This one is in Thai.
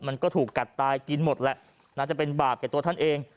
มันก็ถูกกัดตายกินหมดแหละน่าจะเป็นบาปแก่ตัวท่านเอง